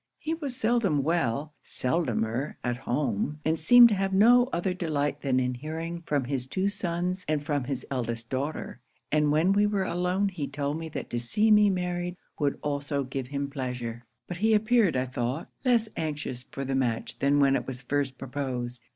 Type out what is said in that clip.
He was seldom well; seldomer at home; and seemed to have no other delight than in hearing from his two sons and from his eldest daughter; and when we were alone, he told me that to see me married would also give him pleasure; but he appeared, I thought, less anxious for the match than when it was first proposed.